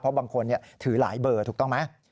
เพราะบางคนถือหลายเบอร์ถูกต้องไหม